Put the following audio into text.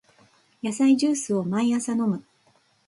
野菜ジュースを毎朝飲む